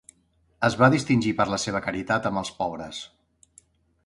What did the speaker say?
Es va distingir per la seva caritat amb els pobres.